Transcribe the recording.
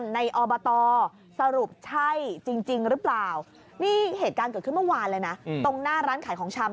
นี่เหตุการณ์เกิดขึ้นเมื่อวานเลยนะตรงหน้าร้านขายของชำ